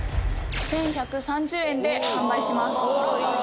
１１３０円で販売します！